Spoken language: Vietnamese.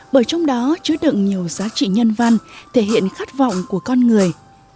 bởi trong đó chứa đựng nhiều giá trị nhân văn thể hiện khát vọng của con người